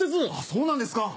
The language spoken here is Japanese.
そうなんですか。